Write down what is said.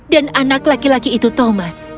dan anak laki laki itu thomas